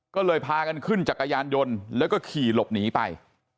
ก็เลยพากันขึ้นจักรยานยนต์แล้วก็ขี่หลบหนีไป